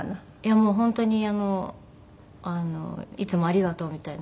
もう本当にあの「いつもありがとう」みたいな。